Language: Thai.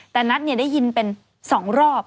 แต่นัทได้ยินเป็น๒รอบ